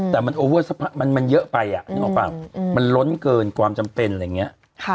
แต่มันเยอะไปอ่ะนึกออกป่ะมันล้นเกินความจำเป็นอะไรอย่างนี้